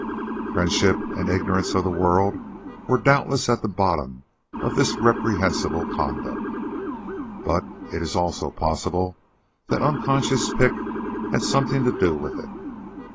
Friendship and ignorance of the world were doubtless at the bottom of this reprehensible conduct, but it is also possible that unconscious pique had something to do with it.